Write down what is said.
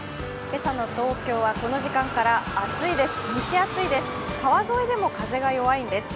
今朝の東京はこの時間から暑いです、蒸し暑いです。